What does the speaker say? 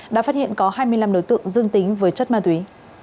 đã phát hiện có hai mươi năm đối tượng dương tính với chất ma túy